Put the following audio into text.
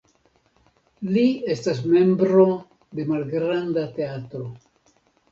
Li estas membro de malgranda teatro.